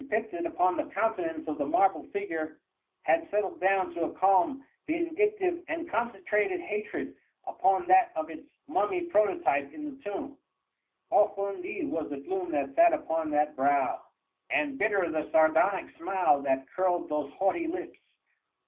217 picted upon the countenance of the marble figure, had settled down to a calm, vindictive, and concentrated hatred upon that of its mum my prototype in the tomb. ^ Awful, indeed, was the gloom that sat upon that brow, and bitter the sardonic smile that curled those haughty lips.